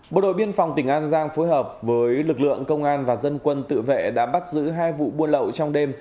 bộ đội biên phòng tỉnh an giang phối hợp với lực lượng công an và dân quân tự vệ đã bắt giữ hai vụ buôn lậu trong đêm